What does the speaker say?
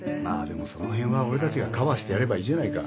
でもそのへんは俺たちがカバーしてやればいいじゃないか。